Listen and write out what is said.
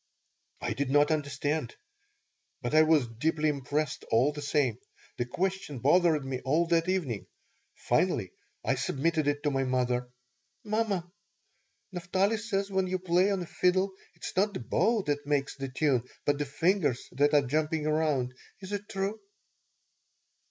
I did not understand, but I was deeply impressed all the same. The question bothered me all that evening. Finally I submitted it to my mother: "Mamma, Naphtali says when you play on a fiddle it is not the bow that makes the tune, but the fingers that are jumping around. Is it true?"